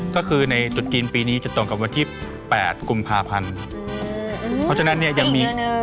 ก็คือในจุดจีนปีนี้จะตรงกับวันที่แปดกุมภาพันธ์เพราะฉะนั้นเนี่ยยังมี